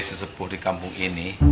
sesepul di kampung ini